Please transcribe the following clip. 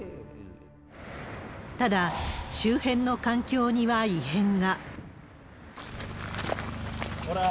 ただ、周辺の環境には異変が。